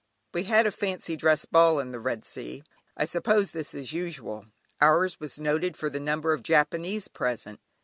We had a fancy dress ball in the Red Sea: I suppose this is usual. Ours was noted for the number of Japanese present.